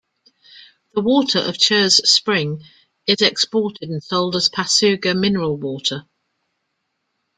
The water of Chur's spring is exported and sold as Passugger mineral water.